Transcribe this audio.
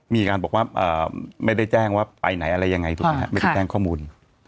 มีการบอกว่าไม่ได้แจ้งว่าไปไหนอะไรยังไงถูกไหมครับไม่ได้แจ้งข้อมูล